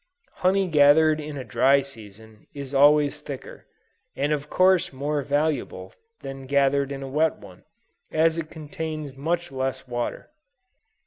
Honey gathered in a dry season, is always thicker, and of course more valuable than that gathered in a wet one, as it contains much less water.